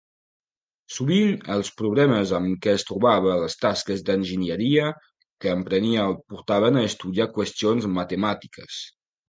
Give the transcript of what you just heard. Sovint, els problemes amb què es trobava a les tasques d'enginyeria que emprenia el portaven a estudiar qüestions matemàtiques.